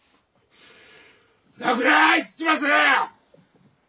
泣くな七松！